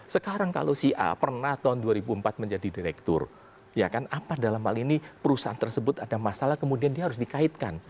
sekarang kalau si a pernah tahun dua ribu empat menjadi direktur ya kan apa dalam hal ini perusahaan tersebut ada masalah kemudian dia harus dikaitkan